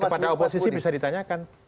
kepada oposisi bisa ditanyakan